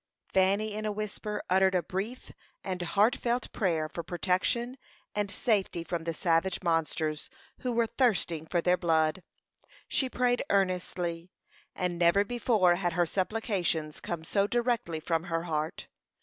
Fanny, in a whisper, uttered a brief and heart felt prayer for protection and safety from the savage monsters who were thirsting for their blood. She prayed earnestly, and never before had her supplications come so directly from her heart.